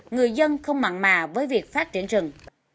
người dân không mặn mà với việc phát triển rừng